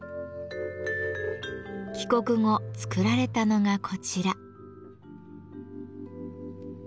帰国後作られたのがこちら。